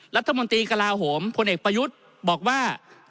รัฐมนตรีกระลาโหมพลเอกประยุทธ์บอกว่า